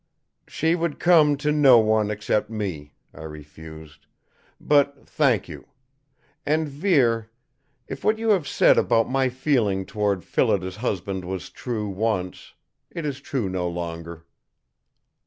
"She would come to no one except me," I refused. "But, thank you. And Vere, if what you have said about my feeling toward Phillida's husband was true once, it is true no longer."